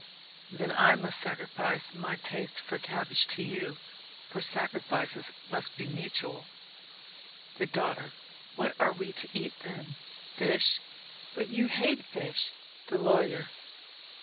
Then I must sacrifice my taste for cabbage to you for sacrifices must be mutual. THE DAUGHTER. What are we to eat then? Fish? But you hate fish? THE LAWYER.